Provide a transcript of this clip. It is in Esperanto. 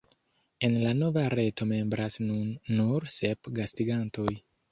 En la nova reto membras nun nur sep gastigantoj.